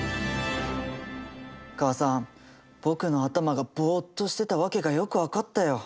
お母さん僕の頭がぼっとしてたわけがよく分かったよ。